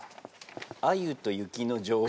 アユと雪の女王